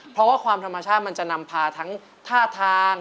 เพราะว่าความธรรมชาติมันจะนำพาทั้งท่าทาง